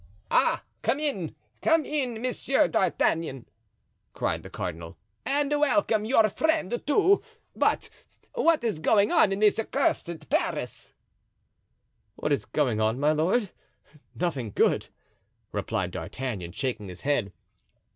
"Ah, come in, come in, Monsieur d'Artagnan!" cried the cardinal, "and welcome your friend too. But what is going on in this accursed Paris?" "What is going on, my lord? nothing good," replied D'Artagnan, shaking his head.